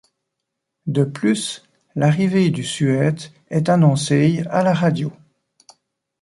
De plus, l'arrivée du suête est annoncée à la radio.